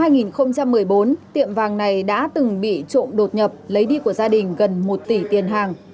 năm hai nghìn một mươi bốn tiệm vàng này đã từng bị trộm đột nhập lấy đi của gia đình gần một tỷ tiền hàng